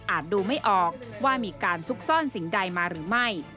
ดูไม่ออกว่ามีการซุกซ่อนสิ่งใดมาหรือไม่